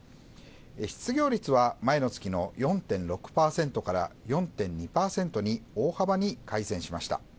失業率は前の月の４．６％から４．２％に大幅に改善しました。